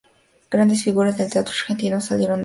Grandes figuras del teatro Argentino salieron de esa escuela.